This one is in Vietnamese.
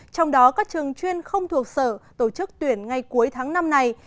trong đó các trường chuyên không thuộc sở tổ chức tuyển ngay cuối tháng năm này